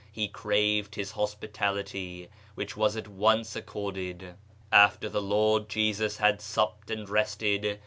He craved his hospitality, which was at once accorded. After the Lord Jesus had supped and rested.